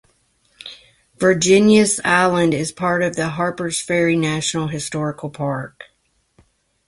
Virginius Island is part of the Harpers Ferry National Historical Park.